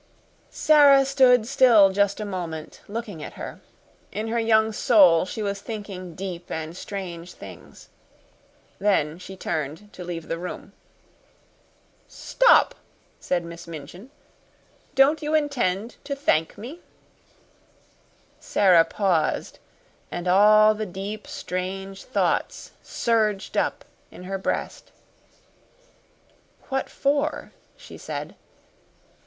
Sara stood still just a moment, looking at her. In her young soul, she was thinking deep and strange things. Then she turned to leave the room. "Stop!" said Miss Minchin. "Don't you intend to thank me?" Sara paused, and all the deep, strange thoughts surged up in her breast. "What for?" she said.